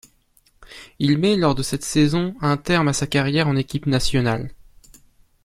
Il met lors de cette saison un terme à sa carrière en équipe nationale.